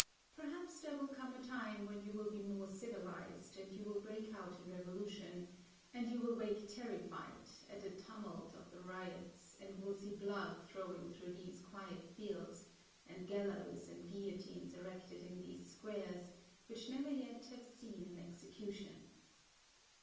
Perhaps there will come a time when you will be more civilized, and you will break out in revolution; and you will wake terrified, at the tumult of the riots, and will see blood flowing through these quiet fields, and gallows and guillotines erected in these squares, which never yet have seen an execution."